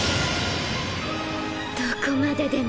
どこまででも。